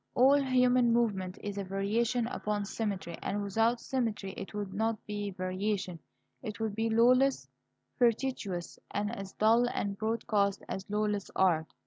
All human movement is a variation upon symmetry, and without symmetry it would not be variation; it would be lawless, fortuitous, and as dull and broadcast as lawless art.